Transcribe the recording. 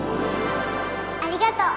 ありがとう。